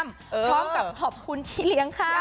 พร้อมกับขอบคุณที่เลี้ยงข้าว